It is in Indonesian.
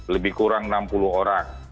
lebih kurang enam puluh orang